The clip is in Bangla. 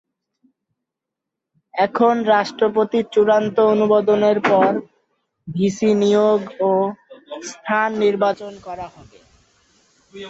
এখন রাষ্ট্রপতির চূড়ান্ত অনুমোদনের পর ভিসি নিয়োগ ও স্থান নির্বাচন করা হবে।